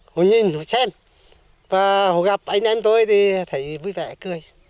hồi nhìn hồi xem và hồi gặp anh em tôi thì thấy vui vẻ cười